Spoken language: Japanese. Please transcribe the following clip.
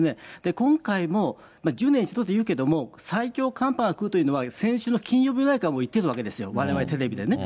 今回も１０年に一度っていうけれども、最強寒波が来るというのは先週の金曜日ぐらいからもう言ってるわけですよ、われわれテレビでね。